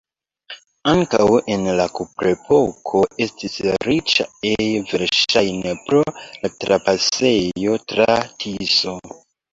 Ankaŭ en la kuprepoko estis riĉa ejo, verŝajne pro la trapasejo tra Tiso.